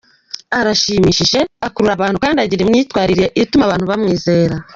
Arashimishije, akurura abantu kandi agira imyitwarira ituma abantu bamwizera.